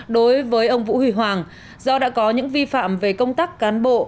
đối với ông vũ huy hoàng do đã có những vi phạm về công tác cán bộ